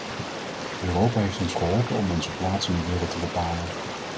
Europa heeft ons geholpen om onze plaats in de wereld te bepalen.